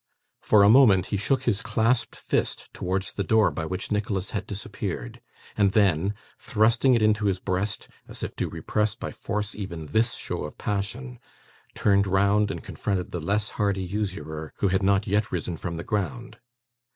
For a moment he shook his clasped fist towards the door by which Nicholas had disappeared; and then thrusting it into his breast, as if to repress by force even this show of passion, turned round and confronted the less hardy usurer, who had not yet risen from the ground.